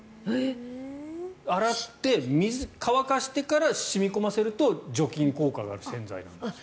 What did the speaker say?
洗って、水を乾かしてから染み込ませると除菌効果がある洗剤なんですって。